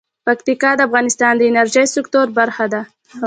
پکتیکا د افغانستان د انرژۍ سکتور برخه ده.